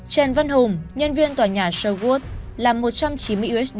trần văn hùng nhân viên tòa nhà sherwood làm một trăm chín mươi usd